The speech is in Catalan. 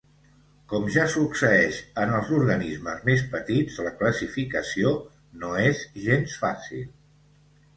Com ja succeeix en els organismes més petits la classificació no és gens fàcil.